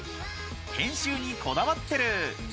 編集にこだわってる。